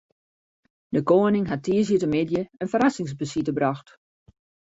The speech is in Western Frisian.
De koaning hat tiisdeitemiddei in ferrassingsbesite brocht.